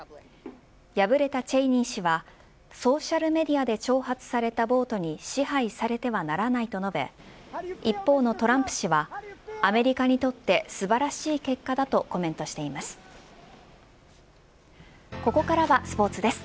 敗れたチェイニー氏はソーシャルメディアで挑発された暴徒に支配されてはならないと述べ一方のトランプ氏はアメリカにとって素晴らしい結果だとコメントしています。